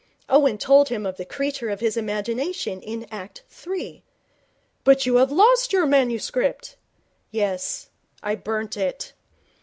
Owen told him of the creature of his imagination in Act III. 'But you have lost your manuscript?' 'Yes; I burnt it.'